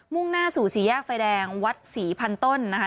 ่งหน้าสู่สี่แยกไฟแดงวัดศรีพันต้นนะคะ